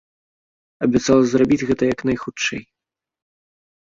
Абяцала зрабіць гэта як найхутчэй.